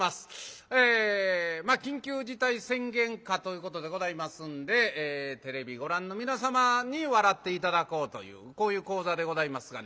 えまあ緊急事態宣言下ということでございますんでテレビご覧の皆様に笑って頂こうというこういう高座でございますがね。